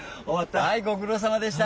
はいごくろうさまでした。